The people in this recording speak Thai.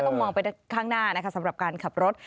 มองไปข้างหน้านะคะสำหรับการขับรถ